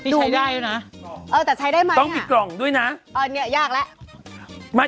นี่ใช้ได้นะต้องมีกล่องด้วยนะนี่ยากแล้ว